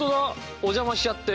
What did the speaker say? お邪魔しちゃって。